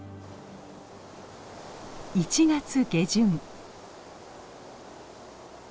１月下旬。